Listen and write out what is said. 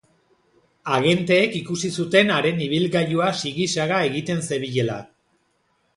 Agenteek ikusi zuten haren ibilgailua sigi-saga egiten zebilela.